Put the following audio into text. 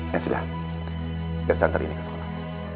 ya sudah kita santar ini ke sekolah